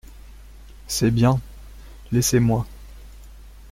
C’est bien… laissez-moi.